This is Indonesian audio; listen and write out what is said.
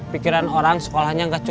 pikiran orang sekolahnya nggak cukup